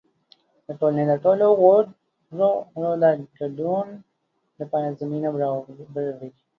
د ټولنې د ټولو غړو د ګډون لپاره زمینه برابروي.